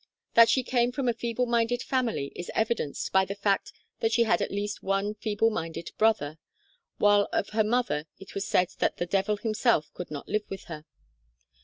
That she came from a feeble minded family is evidenced by the fact that she had at least one feeble minded brother, while qf her mother it was said that the "devil himself could not live with her."